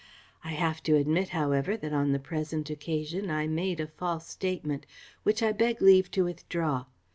I have to admit, however, that on the present occasion I made a false statement, which I beg leave to withdraw.